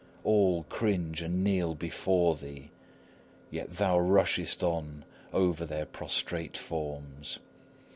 All cringe and kneel before thee, yet thou rushest on over their prostrate forms.